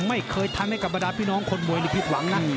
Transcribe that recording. ไม่เคยทำให้กับบรรดาพี่น้องคนมวยนี่ผิดหวังนะ